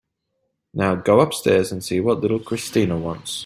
Now go upstairs and see what little Christina wants.